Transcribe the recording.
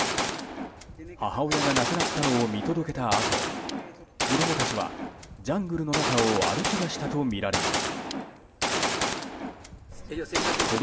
母親が亡くなったのを見届けたあと子供たちはジャングルの中を歩き出したとみられます。